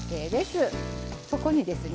そこにですね